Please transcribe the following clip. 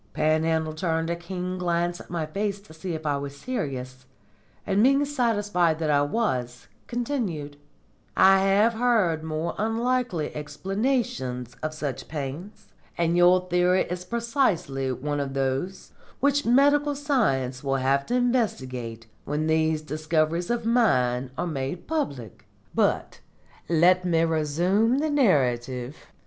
Panhandle turned a keen glance at my face to see if I was serious, and, being satisfied that I was, continued: "I have heard more unlikely explanations of such pains, and your theory is precisely one of those which medical science will have to investigate when these discoveries of mine are made public. But let me resume the narrative.